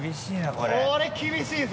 これ厳しいぞ。